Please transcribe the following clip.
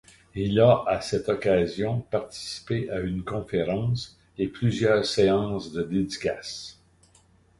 Il a à cette occasion participé à une conférence et plusieurs séances de dédicaces.